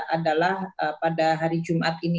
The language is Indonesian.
adalah pada hari jumat ini